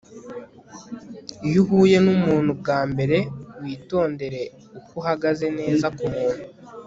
Iyo uhuye numuntu bwa mbere witondere uko uhagaze neza kumuntu